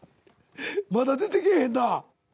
まだ出てけえへんな。